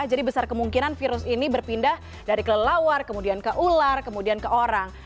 jadi besar kemungkinan virus ini berpindah dari kelelawar kemudian ke ular kemudian ke orang